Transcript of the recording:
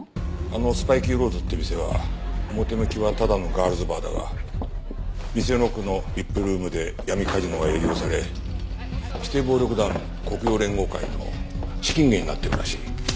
あのスパイキーローズって店は表向きはただのガールズバーだが店の奥のＶＩＰルームで闇カジノが営業され指定暴力団黒洋連合会の資金源になっているらしい。